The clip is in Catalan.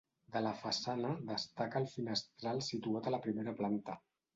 De la façana destaca el finestral situat a la primera planta.